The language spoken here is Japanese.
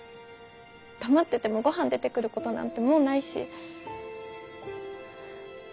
黙っててもごはん出てくることなんてもうないし。